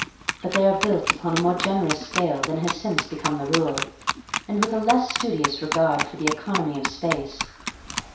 But they are built upon a more generous scale than has since become the rule, and with a less studious regard for the economy of space.